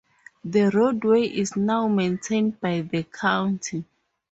The roadway is now maintained by the county.